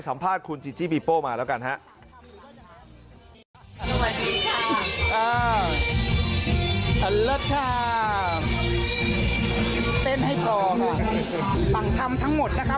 ค่ะเอออันเล็กค่ะเต้นให้ต่อค่ะฝั่งทำทั้งหมดนะคะ